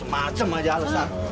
macem macem aja alasan